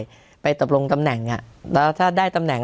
เราตกลงตำแหน่ง